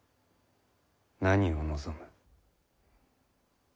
何を望む？